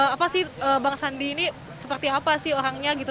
apa sih bang sandi ini seperti apa sih orangnya gitu